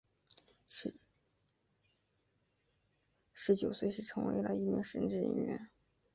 十九岁时成为了一名神职人员。